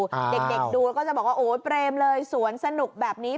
เด็กดูแล้วก็จะบอกว่าโอ้ยเปรมเลยสวนสนุกแบบนี้